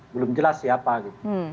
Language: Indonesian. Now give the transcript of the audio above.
belum jelas siapa gitu